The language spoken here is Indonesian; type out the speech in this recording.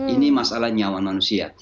ini masalah nyawa manusia